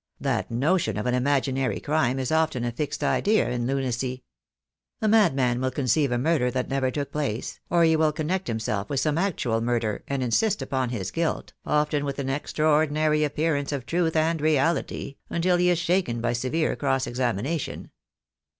That notion of an imaginary crime is often a fixed idea in lunacy. A madman will conceive a murder that never took place, or he will con nect himself with some actual murder, and insist upon his guilt, often with an extraordinary appearance of truth and reality, until he is shaken by severe cross examina tion."